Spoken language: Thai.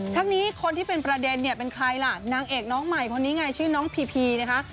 ทั้งนี้คนที่เป็นประเด็นเนี่ยเป็นใครล่ะนางเอกน้องใหม่คนนี้ไงชื่อน้องพีพีนะคะ